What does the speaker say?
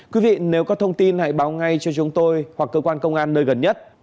quý vị nếu có thông tin hãy báo ngay cho chúng tôi hoặc cơ quan công an nơi gần nhất